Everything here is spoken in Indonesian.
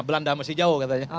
belanda masih jauh katanya